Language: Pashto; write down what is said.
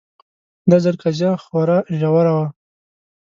دا ځل قضیه خورا ژوره وه